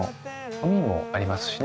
海もありますしね。